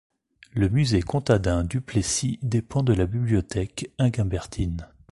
Le musée Comtadin-Duplessis dépend de la bibliothèque Inguimbertine.